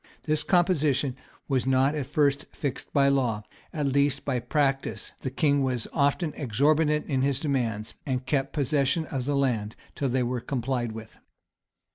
This composition was not at first fixed by law, at least by practice: the king was often exorbitant in his demands, and kept possession of the land till they were complied with.